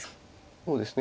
そうですね。